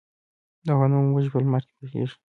د غنمو وږي په لمر کې پخیږي.